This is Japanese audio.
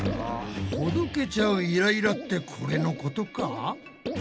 ほどけちゃうイライラってこれのことか？